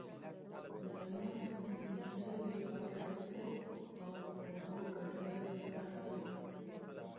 د مغز د مینځلو لپاره د خوب او اوبو ګډول وکاروئ